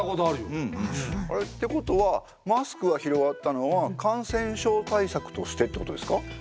あれ？ってことはマスクが広がったのは感染症対策としてってことですか？